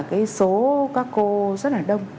cái số các cô rất là đông